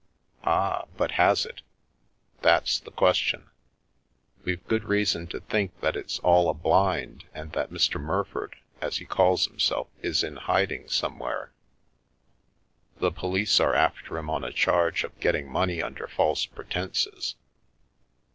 " Ah, but has it ? That's the question. We've good reason to think that it's all a blind and that Mr. Murford, as he calls himself, is in hiding somewhere. The police are after him on a charge of getting money under false pretences.